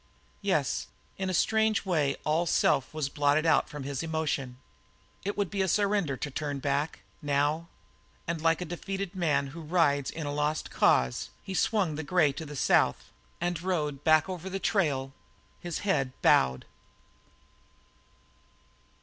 Yes, in a strange way all self was blotted from his emotion. It would be a surrender to turn back now. And like a defeated man who rides in a lost cause, he swung the grey to the south and rode back over the trail, his head bowed.